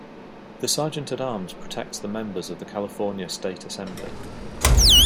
The Sergeant-at-Arms protects the members of the California State Assembly.